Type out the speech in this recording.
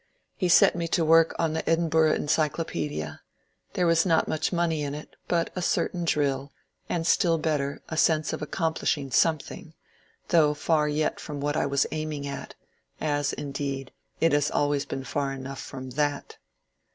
He set me to work on the ^^ Edinburgh Encyclopaedia ;" there was not much money in it, but a certain drill, and, still better, a sense of accomplishing something, though far yet from what I was aiming at, — as, indeed, it has always been far enough from that.